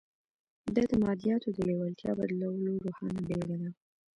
دا د مادیاتو د لېوالتیا بدلولو روښانه بېلګه ده